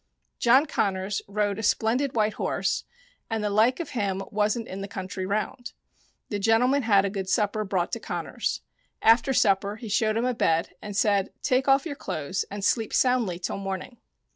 John Connors rode a splendid white horse, and the like of him wasn't in the country round. The gentleman had a good supper brought to Connors. After supper he showed him a bed and said, "Take off your clothes and sleep soundly till morning."